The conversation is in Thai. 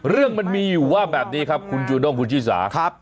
เรื่องมันมีอยู่ว่าแบบนี้ครับคุณจูด้งคุณชิสาครับ